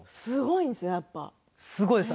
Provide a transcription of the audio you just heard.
すごいですか？